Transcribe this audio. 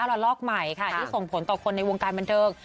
หรือ๑๙ล้อนลอกใหม่ที่ส่งผลต่อคนในวงการบันเทิง